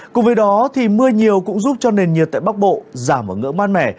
cùng với đó thì mưa nhiều cũng giúp cho nền nhiệt tại bắc bộ giảm ở ngưỡng mát mẻ